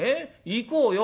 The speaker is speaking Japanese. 行こうよ。